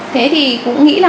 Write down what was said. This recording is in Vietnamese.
thế thì cũng nghĩ là